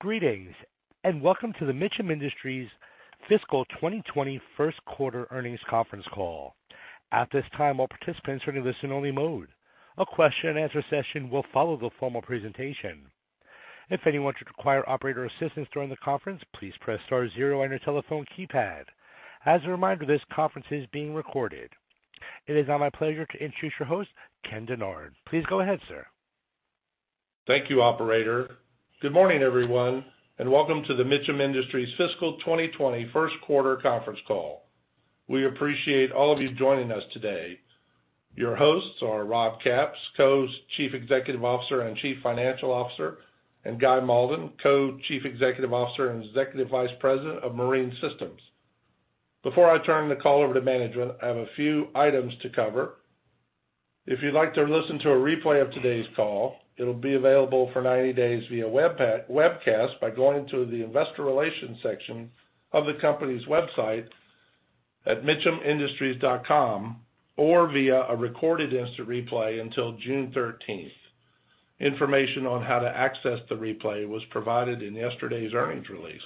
Greetings, and welcome to the Mitcham Industries Fiscal 2020 First Quarter Earnings Conference Call. At this time, all participants are in listen-only mode. A question-and-answer session will follow the formal presentation. If anyone should require operator assistance during the conference, please press star zero on your telephone keypad. As a reminder, this conference is being recorded. It is now my pleasure to introduce your host, Ken Dennard. Please go ahead, sir. Thank you, operator. Good morning, everyone, and welcome to the Mitcham Industries Fiscal 2020 First Quarter Conference Call. We appreciate all of you joining us today. Your hosts are Rob Capps, Co-Chief Executive Officer and Chief Financial Officer, and Guy Malden, Co-Chief Executive Officer and Executive Vice President of Marine Systems. Before I turn the call over to management, I have a few items to cover. If you'd like to listen to a replay of today's call, it will be available for 90 days via webcast by going to the investor relations section of the company's website at mitchamindustries.com, or via a recorded instant replay until June 13th. Information on how to access the replay was provided in yesterday's earnings release.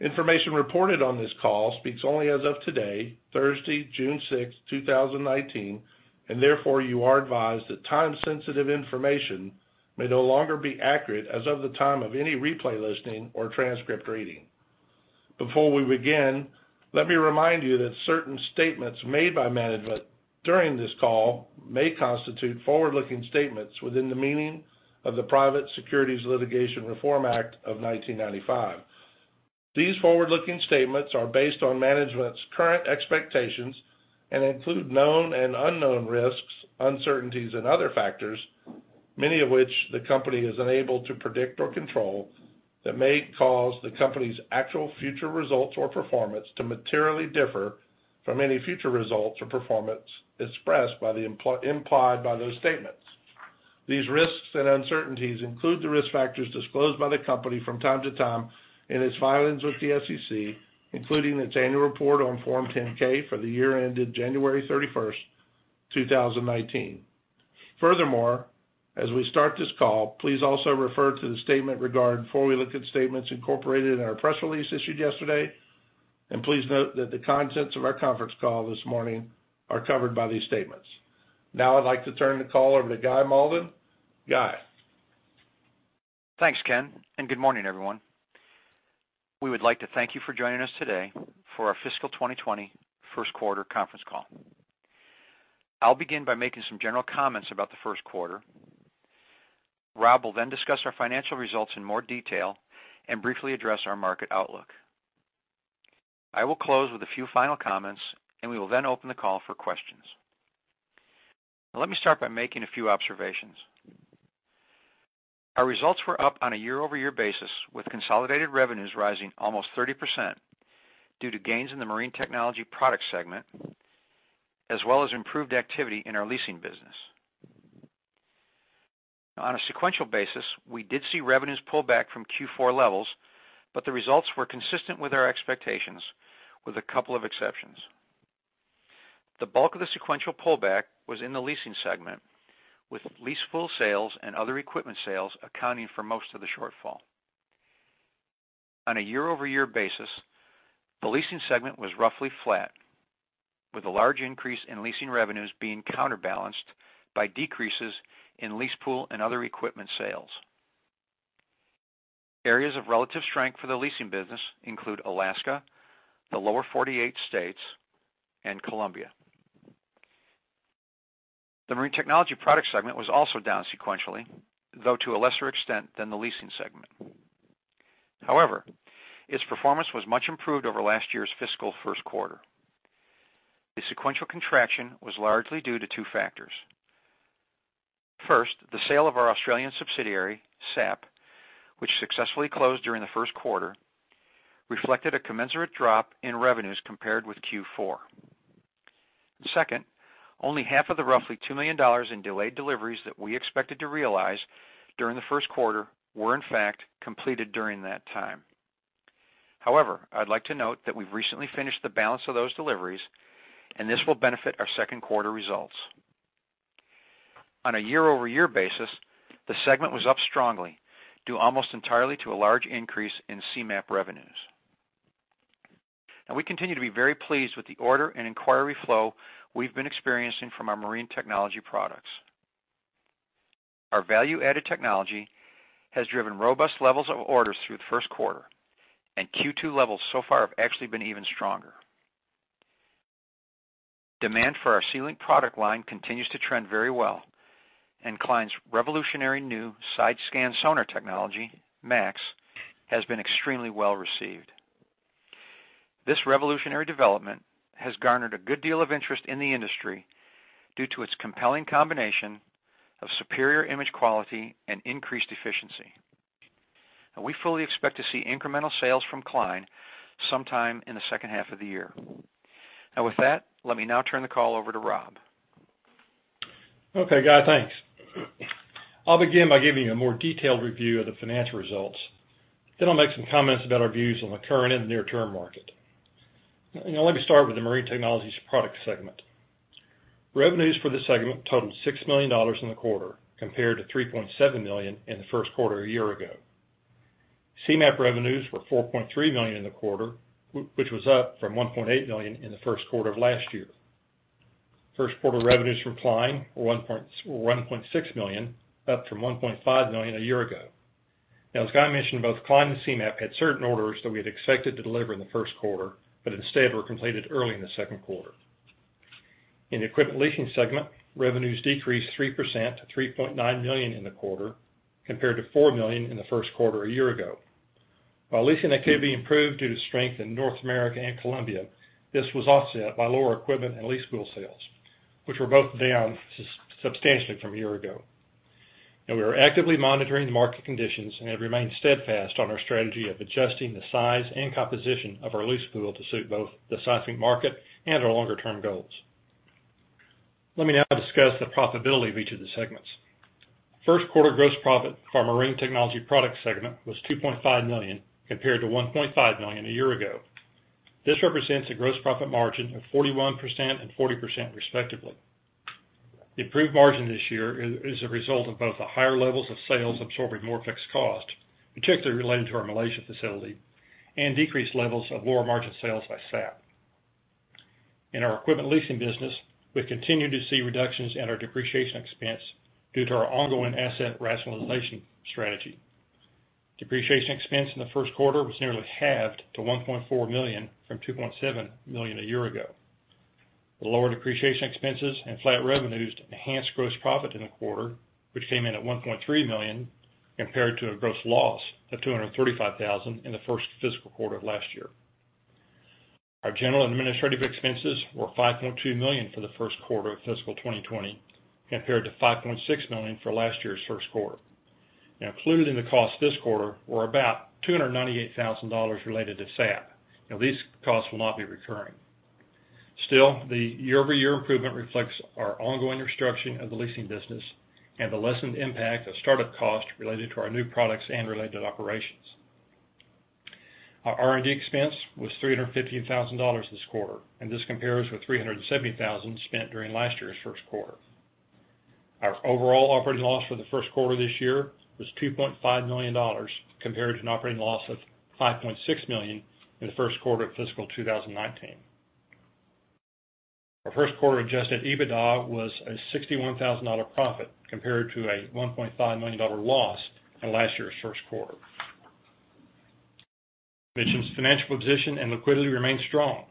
Information reported on this call speaks only as of today, Thursday, June 6th, 2019, and therefore you are advised that time-sensitive information may no longer be accurate as of the time of any replay listening or transcript reading. Before we begin, let me remind you that certain statements made by management during this call may constitute forward-looking statements within the meaning of the Private Securities Litigation Reform Act of 1995. These forward-looking statements are based on management's current expectations and include known and unknown risks, uncertainties, and other factors, many of which the company is unable to predict or control, that may cause the company's actual future results or performance to materially differ from any future results or performance implied by those statements. These risks and uncertainties include the risk factors disclosed by the company from time to time in its filings with the SEC, including its annual report on Form 10-K for the year ended January 31st, 2019. Furthermore, as we start this call, please also refer to the statement regarding forward-looking statements incorporated in our press release issued yesterday, and please note that the contents of our conference call this morning are covered by these statements. Now I'd like to turn the call over to Guy Malden. Guy? Thanks, Ken, and good morning, everyone. We would like to thank you for joining us today for our fiscal 2020 first quarter conference call. I will begin by making some general comments about the first quarter. Rob will then discuss our financial results in more detail and briefly address our market outlook. I will close with a few final comments, and we will then open the call for questions. Let me start by making a few observations. Our results were up on a year-over-year basis, with consolidated revenues rising almost 30% due to gains in the Marine Technology Products segment, as well as improved activity in our leasing business. On a sequential basis, we did see revenues pull back from Q4 levels, but the results were consistent with our expectations, with a couple of exceptions. The bulk of the sequential pullback was in the leasing segment, with lease pool sales and other equipment sales accounting for most of the shortfall. On a year-over-year basis, the leasing segment was roughly flat, with a large increase in leasing revenues being counterbalanced by decreases in lease pool and other equipment sales. Areas of relative strength for the leasing business include Alaska, the lower 48 states, and Colombia. The Marine Technology Products segment was also down sequentially, though to a lesser extent than the leasing segment. However, its performance was much improved over last year's fiscal first quarter. The sequential contraction was largely due to two factors. First, the sale of our Australian subsidiary, SAP, which successfully closed during the first quarter, reflected a commensurate drop in revenues compared with Q4. Second, only half of the roughly $2 million in delayed deliveries that we expected to realize during the first quarter were in fact completed during that time. However, I would like to note that we have recently finished the balance of those deliveries, and this will benefit our second quarter results. On a year-over-year basis, the segment was up strongly, due almost entirely to a large increase in Seamap revenues. We continue to be very pleased with the order and inquiry flow we have been experiencing from our Marine Technology Products. Our value-added technology has driven robust levels of orders through the first quarter, and Q2 levels so far have actually been even stronger. Demand for our SeaLink product line continues to trend very well, and Klein's revolutionary new side-scan sonar technology, MA-X, has been extremely well received. This revolutionary development has garnered a good deal of interest in the industry due to its compelling combination of superior image quality and increased efficiency. We fully expect to see incremental sales from Klein sometime in the second half of the year. With that, let me now turn the call over to Rob. Okay, Guy. Thanks. I'll begin by giving you a more detailed review of the financial results. I'll make some comments about our views on the current and near-term market. Let me start with the Marine Technology Products segment. Revenues for this segment totaled $6 million in the quarter, compared to $3.7 million in the first quarter a year ago. Seamap revenues were $4.3 million in the quarter, which was up from $1.8 million in the first quarter of last year. First quarter revenues from Klein were $1.6 million, up from $1.5 million a year ago. As Guy mentioned, both Klein and Seamap had certain orders that we had expected to deliver in the first quarter, but instead were completed early in the second quarter. In the equipment leasing segment, revenues decreased 3% to $3.9 million in the quarter, compared to $4 million in the first quarter a year ago. While leasing activity improved due to strength in North America and Colombia, this was offset by lower equipment and lease pool sales, which were both down substantially from a year ago. We are actively monitoring the market conditions and have remained steadfast on our strategy of adjusting the size and composition of our lease pool to suit both the sizing market and our longer-term goals. Let me now discuss the profitability of each of the segments. First quarter gross profit for our Marine Technology Products segment was $2.5 million, compared to $1.5 million a year ago. This represents a gross profit margin of 41% and 40%, respectively. The improved margin this year is a result of both the higher levels of sales absorbing more fixed cost, particularly related to our Malaysia facility, and decreased levels of lower margin sales by SAP. In our equipment leasing business, we've continued to see reductions in our depreciation expense due to our ongoing asset rationalization strategy. Depreciation expense in the first quarter was nearly halved to $1.4 million from $2.7 million a year ago. The lower depreciation expenses and flat revenues enhanced gross profit in the quarter, which came in at $1.3 million, compared to a gross loss of $235,000 in the first fiscal quarter of last year. Our general and administrative expenses were $5.2 million for the first quarter of fiscal 2020, compared to $5.6 million for last year's first quarter. Included in the cost this quarter were about $298,000 related to SAP. These costs will not be recurring. Still, the year-over-year improvement reflects our ongoing restructuring of the leasing business and the lessened impact of start-up costs related to our new products and related operations. Our R&D expense was $315,000 this quarter, and this compares with $370,000 spent during last year's first quarter. Our overall operating loss for the first quarter this year was $2.5 million, compared to an operating loss of $5.6 million in the first quarter of fiscal 2019. Our first quarter adjusted EBITDA was a $61,000 profit, compared to a $1.5 million loss in last year's first quarter. Mitcham's financial position and liquidity remain strong.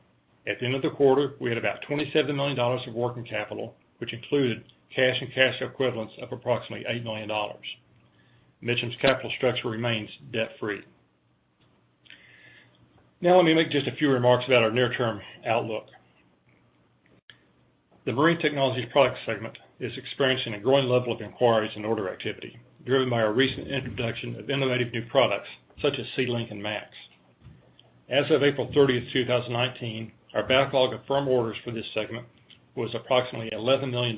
At the end of the quarter, we had about $27 million of working capital, which included cash and cash equivalents of approximately $8 million. Mitcham's capital structure remains debt-free. Let me make just a few remarks about our near-term outlook. The Marine Technology Products segment is experiencing a growing level of inquiries and order activity, driven by our recent introduction of innovative new products such as SeaLink and MA-X. As of April 30, 2019, our backlog of firm orders for this segment was approximately $11 million.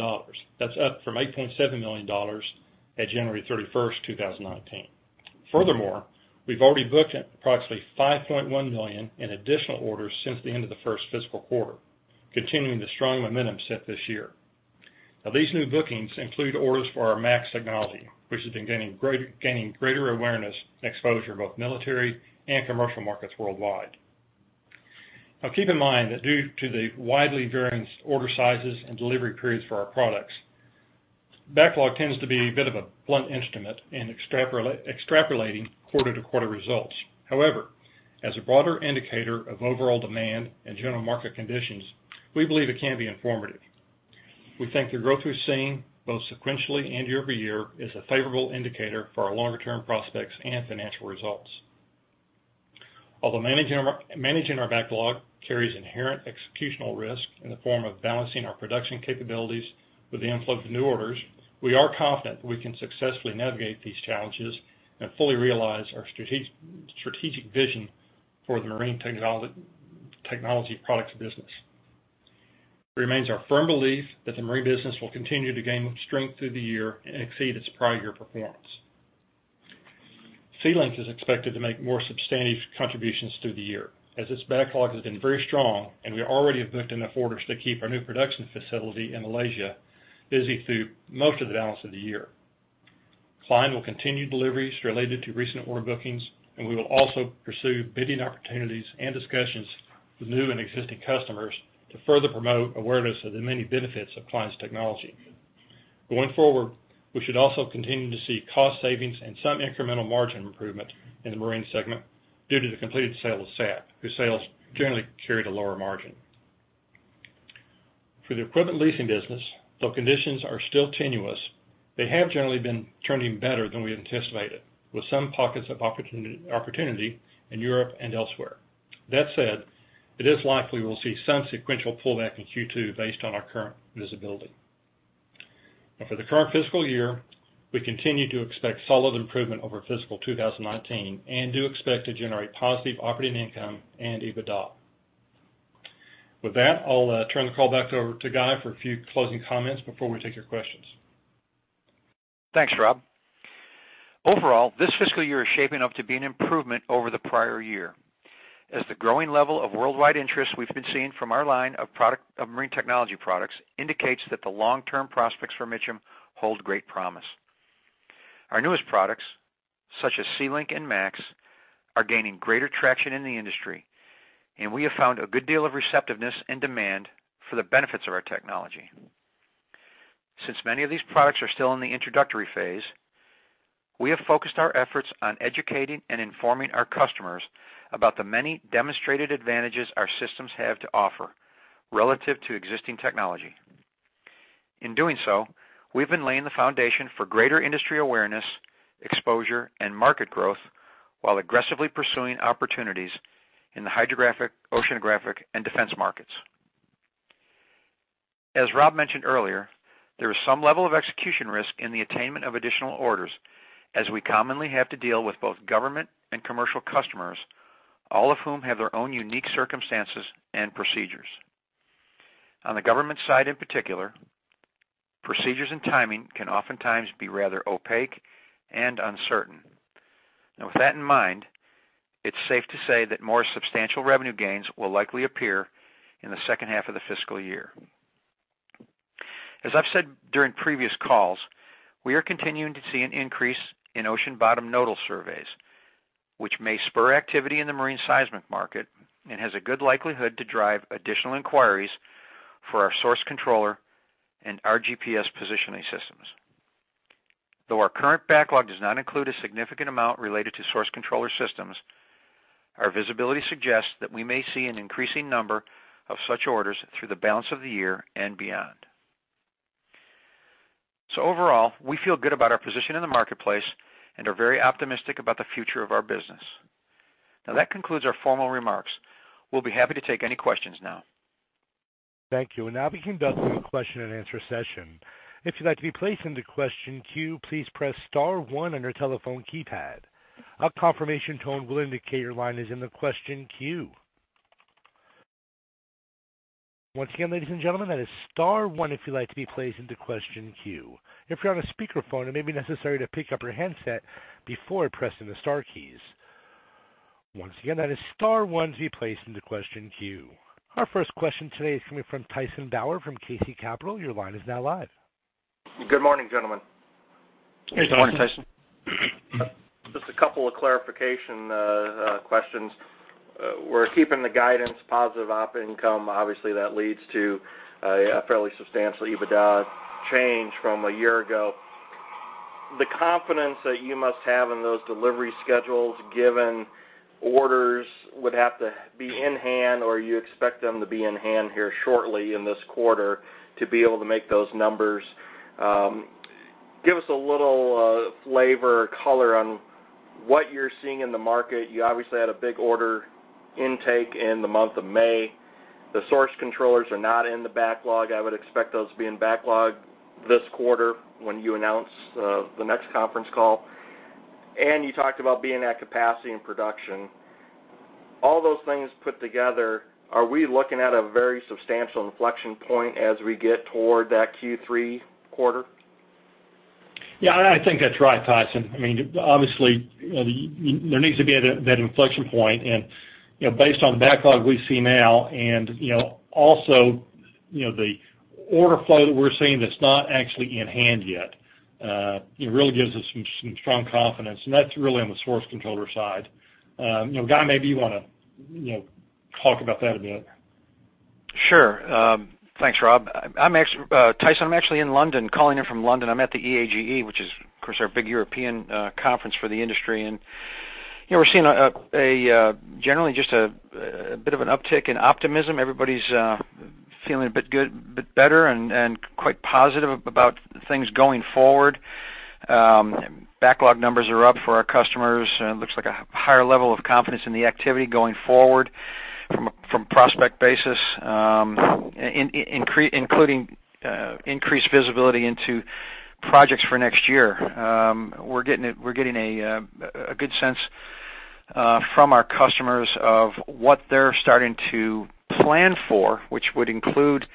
That's up from $8.7 million at January 31, 2019. Furthermore, we've already booked approximately $5.1 million in additional orders since the end of the first fiscal quarter, continuing the strong momentum set this year. These new bookings include orders for our MA-X technology, which has been gaining greater awareness and exposure in both military and commercial markets worldwide. Keep in mind that due to the widely varying order sizes and delivery periods for our products, backlog tends to be a bit of a blunt instrument in extrapolating quarter-to-quarter results. However, as a broader indicator of overall demand and general market conditions, we believe it can be informative. We think the growth we've seen, both sequentially and year-over-year, is a favorable indicator for our longer-term prospects and financial results. Although managing our backlog carries inherent executional risk in the form of balancing our production capabilities with the inflow of new orders, we are confident we can successfully navigate these challenges and fully realize our strategic vision for the Marine Technology Products business. It remains our firm belief that the Marine business will continue to gain strength through the year and exceed its prior year performance. SeaLink is expected to make more substantive contributions through the year, as its backlog has been very strong, and we already have booked enough orders to keep our new production facility in Malaysia busy through most of the balance of the year. Klein will continue deliveries related to recent order bookings, and we will also pursue bidding opportunities and discussions with new and existing customers to further promote awareness of the many benefits of Klein's technology. Going forward, we should also continue to see cost savings and some incremental margin improvement in the Marine segment due to the completed sale of SAP, whose sales generally carried a lower margin. For the equipment leasing business, though conditions are still tenuous, they have generally been turning better than we anticipated, with some pockets of opportunity in Europe and elsewhere. That said, it is likely we'll see some sequential pullback in Q2 based on our current visibility. For the current fiscal year, we continue to expect solid improvement over fiscal 2019 and do expect to generate positive operating income and EBITDA. With that, I'll turn the call back over to Guy for a few closing comments before we take your questions. Thanks, Rob. Overall, this fiscal year is shaping up to be an improvement over the prior year. As the growing level of worldwide interest we've been seeing from our line of Marine Technology Products indicates that the long-term prospects for Mitcham hold great promise. Our newest products, such as SeaLink and MA-X, are gaining greater traction in the industry, and we have found a good deal of receptiveness and demand for the benefits of our technology. Since many of these products are still in the introductory phase, we have focused our efforts on educating and informing our customers about the many demonstrated advantages our systems have to offer relative to existing technology. In doing so, we've been laying the foundation for greater industry awareness, exposure, and market growth while aggressively pursuing opportunities in the hydrographic, oceanographic, and defense markets. As Rob mentioned earlier, there is some level of execution risk in the attainment of additional orders, as we commonly have to deal with both government and commercial customers, all of whom have their own unique circumstances and procedures. On the government side, in particular, procedures and timing can oftentimes be rather opaque and uncertain. With that in mind, it's safe to say that more substantial revenue gains will likely appear in the second half of the fiscal year. As I've said during previous calls, we are continuing to see an increase in ocean-bottom nodal surveys, which may spur activity in the marine seismic market and has a good likelihood to drive additional inquiries for our source controller and our GPS positioning systems. Though our current backlog does not include a significant amount related to source controller systems, our visibility suggests that we may see an increasing number of such orders through the balance of the year and beyond. Overall, we feel good about our position in the marketplace and are very optimistic about the future of our business. That concludes our formal remarks. We'll be happy to take any questions now. Thank you. We'll now be conducting a question and answer session. If you'd like to be placed into question queue, please press star one on your telephone keypad. A confirmation tone will indicate your line is in the question queue. Once again, ladies and gentlemen, that is star one if you'd like to be placed into question queue. If you're on a speakerphone, it may be necessary to pick up your handset before pressing the star keys. Once again, that is star one to be placed into question queue. Our first question today is coming from Tyson Bauer from KC Capital. Your line is now live. Good morning, gentlemen. Hey, Tyson. Good morning, Tyson. Just a couple of clarification questions. We're keeping the guidance positive op income. Obviously, that leads to a fairly substantial EBITDA change from a year ago. The confidence that you must have in those delivery schedules, given orders would have to be in hand, or you expect them to be in hand here shortly in this quarter to be able to make those numbers. Give us a little flavor or color on what you're seeing in the market. You obviously had a big order intake in the month of May. The source controllers are not in the backlog. I would expect those to be in backlog this quarter when you announce the next conference call, and you talked about being at capacity in production. All those things put together, are we looking at a very substantial inflection point as we get toward that Q3 quarter? Yeah, I think that's right, Tyson. Obviously, there needs to be that inflection point and based on the backlog we see now and also the order flow that we're seeing that's not actually in hand yet really gives us some strong confidence, and that's really on the source controller side. Guy, maybe you want to talk about that a bit. Sure. Thanks, Rob. Tyson, I'm actually in London, calling in from London. I'm at the EAGE, which is, of course, our big European conference for the industry. We're seeing generally just a bit of an uptick in optimism. Everybody's feeling a bit better and quite positive about things going forward. Backlog numbers are up for our customers. It looks like a higher level of confidence in the activity going forward from a prospect basis, including increased visibility into projects for next year. We're getting a good sense from our customers of what they're starting to plan for, which would include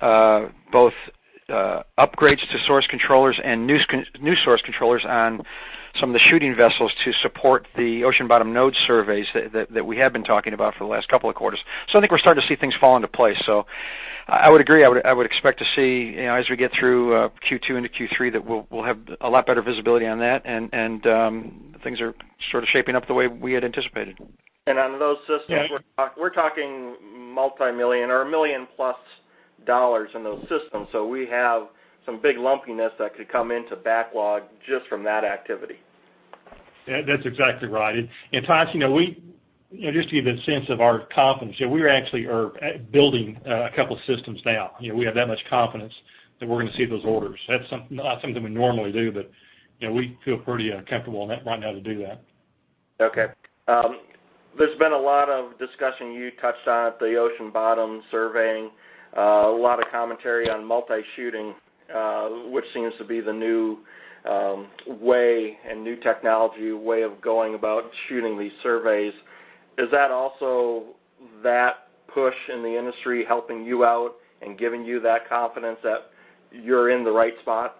both upgrades to source controllers and new source controllers on some of the shooting vessels to support the ocean-bottom node surveys that we have been talking about for the last couple of quarters. I think we're starting to see things fall into place. I would agree. I would expect to see as we get through Q2 into Q3, that we'll have a lot better visibility on that. Things are sort of shaping up the way we had anticipated. And on those systems- Yeah We're talking multimillion or a million-plus dollars in those systems. We have some big lumpiness that could come into backlog just from that activity. That's exactly right. Tyson, just to give you a sense of our confidence, we actually are building a couple systems now. We have that much confidence that we're going to see those orders. That's not something we normally do, but we feel pretty comfortable right now to do that. Okay. There's been a lot of discussion you touched on at the ocean-bottom surveying, a lot of commentary on multi shooting, which seems to be the new way and new technology way of going about shooting these surveys. Does that push in the industry helping you out and giving you that confidence that you're in the right spot?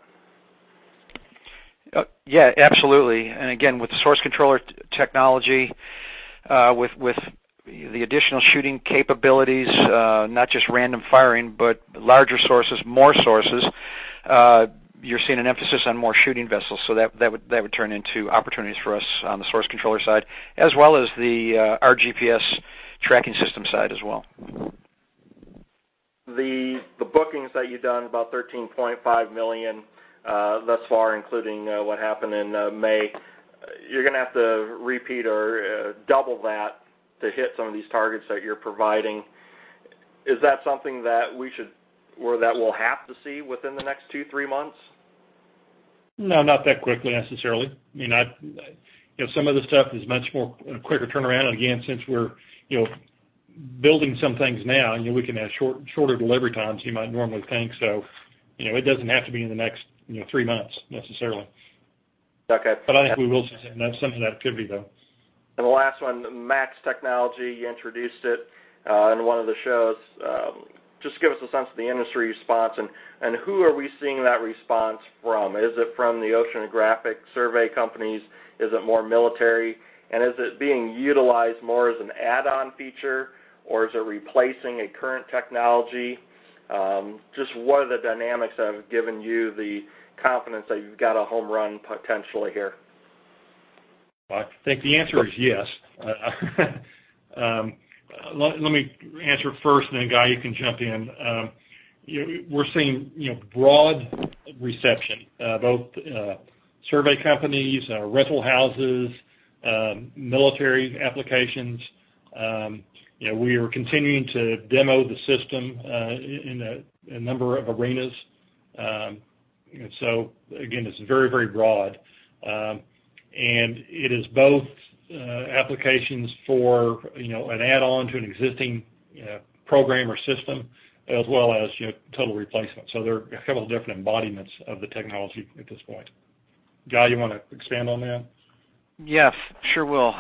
Yeah, absolutely. Again, with source controller technology, with the additional shooting capabilities, not just random firing, but larger sources, more sources, you're seeing an emphasis on more shooting vessels. That would turn into opportunities for us on the source controller side, as well as the RGPS tracking system side as well. The bookings that you've done, about $13.5 million thus far, including what happened in May, you're going to have to repeat or double that to hit some of these targets that you're providing. Is that something that we'll have to see within the next two, three months? No, not that quickly, necessarily. Some of the stuff is much more quicker turnaround. Again, since we're building some things now, we can have shorter delivery times you might normally think. It doesn't have to be in the next three months, necessarily. Okay. I think we will see some of that activity, though. The last one, MA-X technology, you introduced it in one of the shows. Just give us a sense of the industry response and who are we seeing that response from? Is it from the oceanographic survey companies? Is it more military? Is it being utilized more as an add-on feature or is it replacing a current technology? Just what are the dynamics that have given you the confidence that you've got a home run potentially here? I think the answer is yes. Let me answer first, and then Guy, you can jump in. We're seeing broad reception, both survey companies, rental houses, military applications. We are continuing to demo the system in a number of arenas. Again, it's very broad. It is both applications for an add-on to an existing program or system, as well as total replacement. There are a couple of different embodiments of the technology at this point. Guy, you want to expand on that? Yes, sure will.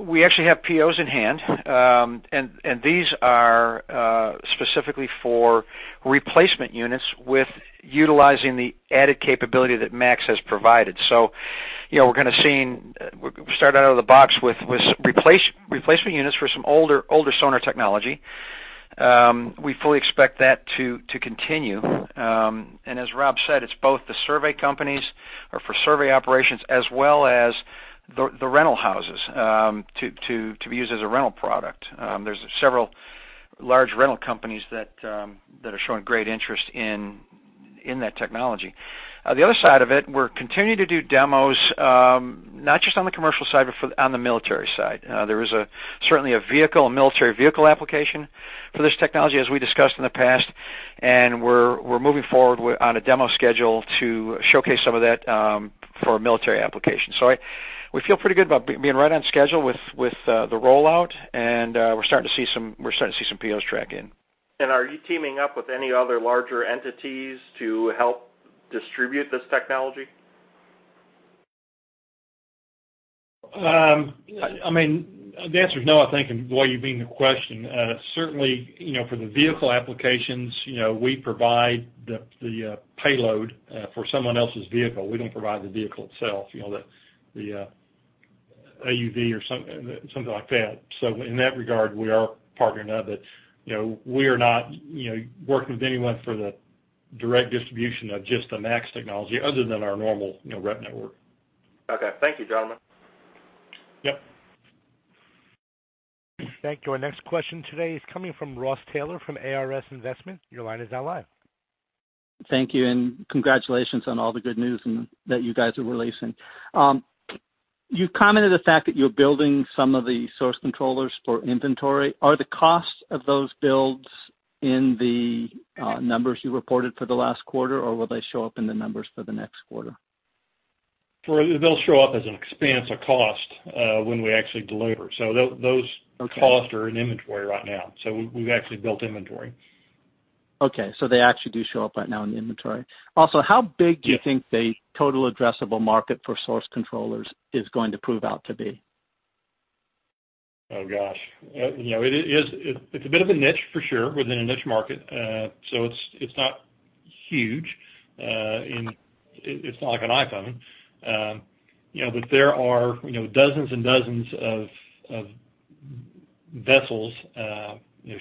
We actually have POs in hand, and these are specifically for replacement units with utilizing the added capability that MA-X has provided. We're going to start out of the box with replacement units for some older sonar technology. We fully expect that to continue. As Rob said, it's both the survey companies or for survey operations, as well as the rental houses, to be used as a rental product. There's several large rental companies that are showing great interest in that technology. The other side of it, we're continuing to do demos, not just on the commercial side, but on the military side. There is certainly a military vehicle application for this technology, as we discussed in the past, and we're moving forward on a demo schedule to showcase some of that for military applications. We feel pretty good about being right on schedule with the rollout, and we're starting to see some POs track in. Are you teaming up with any other larger entities to help distribute this technology? The answer is no, I think, and boy, you being the question. Certainly, for the vehicle applications, we provide the payload for someone else's vehicle. We don't provide the vehicle itself, the AUV or something like that. In that regard, we are partnering of it. We are not working with anyone for the direct distribution of just the MA-X technology other than our normal rep network. Okay, thank you, gentlemen. Yep. Thank you. Our next question today is coming from Ross Taylor from ARS Investment. Your line is now live. Thank you. Congratulations on all the good news that you guys are releasing. You commented the fact that you're building some of the source controllers for inventory. Are the costs of those builds in the numbers you reported for the last quarter, or will they show up in the numbers for the next quarter? They'll show up as an expense, a cost, when we actually deliver. Okay costs are in inventory right now. We've actually built inventory. Okay, they actually do show up right now in the inventory. Yeah Do you think the total addressable market for source controllers is going to prove out to be? Oh, gosh. It's a bit of a niche for sure within a niche market. It's not huge, and it's not like an iPhone. There are dozens and dozens of vessels,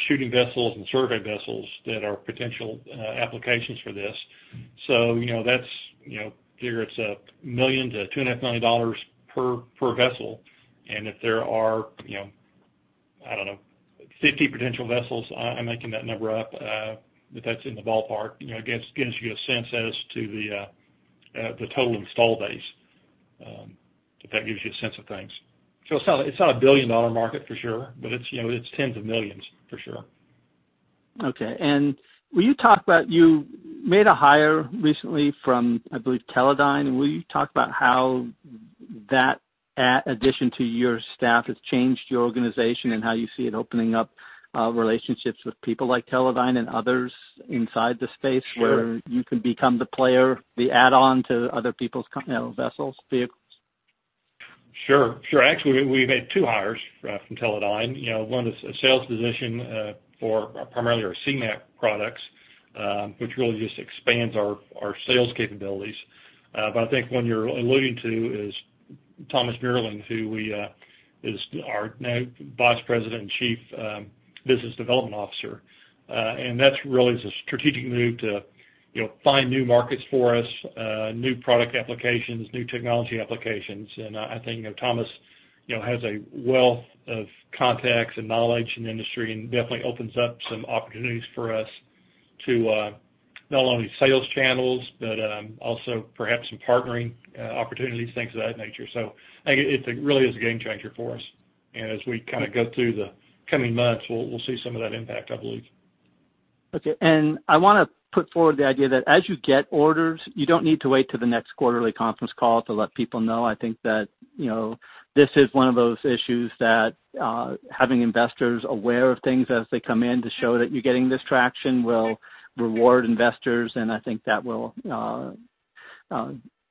shooting vessels and survey vessels, that are potential applications for this. Figure it's $1 million to $2.5 million per vessel, and if there are, I don't know, 50 potential vessels, I'm making that number up, but that's in the ballpark, gives you a sense as to the total install base. If that gives you a sense of things. It's not a billion-dollar market for sure, but it's tens of millions for sure. Okay. Will you talk about, you made a hire recently from, I believe, Teledyne. Will you talk about how that addition to your staff has changed your organization and how you see it opening up relationships with people like Teledyne and others inside the space- Sure where you can become the player, the add-on to other people's vessels, vehicles? Sure. Actually, we've made two hires from Teledyne. One is a sales position for primarily our Seamap products, which really just expands our sales capabilities. I think the one you're alluding to is [Thomas Meurling], who is our now Vice President and Chief Business Development Officer. That really is a strategic move to find new markets for us, new product applications, new technology applications. I think Thomas has a wealth of contacts and knowledge in the industry, and definitely opens up some opportunities for us to not only sales channels, but also perhaps some partnering opportunities, things of that nature. I think it really is a game changer for us. As we go through the coming months, we'll see some of that impact, I believe. I want to put forward the idea that as you get orders, you don't need to wait till the next quarterly conference call to let people know. I think that this is one of those issues that having investors aware of things as they come in to show that you're getting this traction will reward investors, and I think that will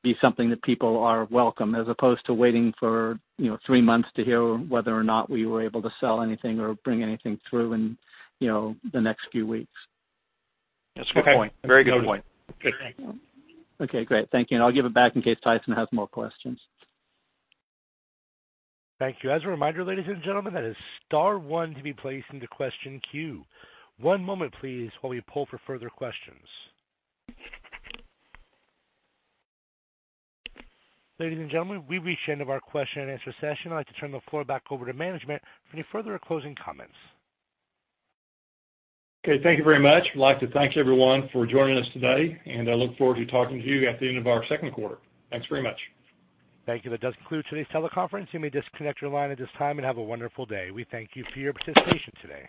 be something that people are welcome, as opposed to waiting for three months to hear whether or not we were able to sell anything or bring anything through in the next few weeks. That's a good point. Very good point. Okay, great. Thank you. I'll give it back in case Tyson has more questions. Thank you. As a reminder, ladies and gentlemen, that is star one to be placed into question queue. One moment, please, while we pull for further questions. Ladies and gentlemen, we've reached the end of our question and answer session. I'd like to turn the floor back over to management for any further closing comments. Okay, thank you very much. We'd like to thank everyone for joining us today. I look forward to talking to you at the end of our second quarter. Thanks very much. Thank you. That does conclude today's teleconference. You may disconnect your line at this time, and have a wonderful day. We thank you for your participation today.